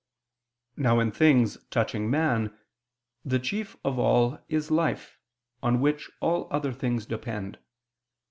Now in things touching man, the chief of all is life, on which all other things depend.